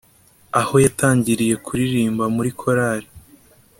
aho yatangiriye kuririmba muri korali